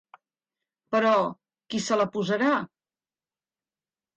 Però qui se la posarà?